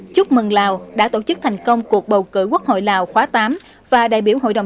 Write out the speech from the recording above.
chúc mừng lào đã tổ chức thành công cuộc bầu cử quốc hội lào khóa tám và đại biểu hội đồng